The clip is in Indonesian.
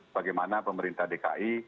bagaimana pemerintah dki